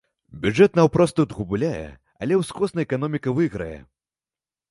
Бюджэт наўпрост тут губляе, але ўскосна эканоміка выйграе.